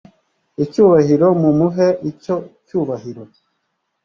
icyubahiro mumuhe icyo cyubahiro